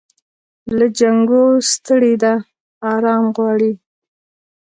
له جنګو ستړې ده آرام غواړي